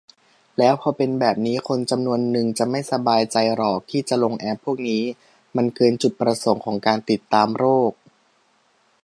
แล้วพอเป็นแบบนี้ คนจำนวนนึงจะไม่สบายใจหรอกที่จะลงแอปพวกนี้ มันเกินจุดประสงค์ของการติดตามโรค